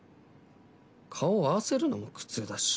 顔合わせるのも苦痛だし。